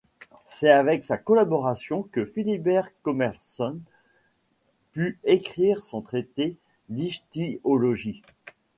C’est avec sa collaboration que Philibert Commerson put écrire son traité d’ichtyologie.